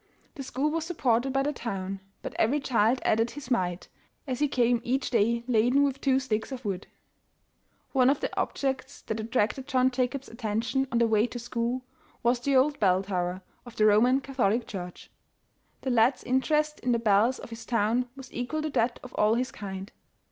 The school was supported by the town, but every child added his mite, as he came each day laden with two sticks of wood. One of the objects that attracted John Jacob's atten tion on the way to school, was the old bell tower of the Roman Catholic Church. The lad's interest in the bells of his town was equal to that of all his kind.